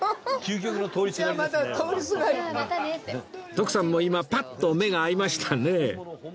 徳さんも今パッと目が合いましたね